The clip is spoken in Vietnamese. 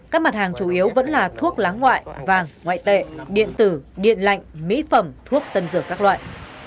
các mặt hàng chủ yếu vẫn là thuốc lá ngoại vàng ngoại tệ điện tử điện lạnh mỹ phẩm thuốc tân dược các loại